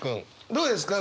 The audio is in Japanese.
どうですか？